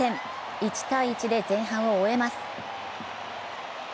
１−１で前半を終えます。